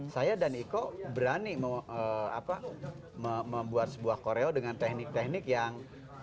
saya dan iko berani membuat sebuah koreo dengan teknik teknik yang